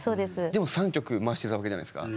でも３曲回してたわけじゃないですか。